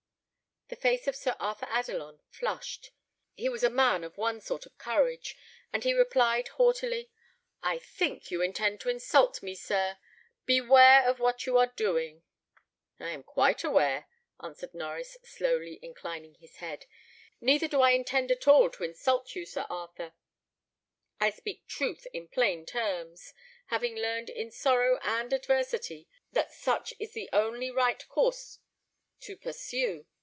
The face of Sir Arthur Adelon flushed. He was a man of one sort of courage, and he replied, haughtily, "I think you intend to insult me, sir. Beware what you are doing." "I am quite aware," answered Norries, slowly inclining his head; "neither do I intend at all to insult you, Sir Arthur. I speak truth in plain terms, having learned in sorrow and adversity that such is the only right course to pursue.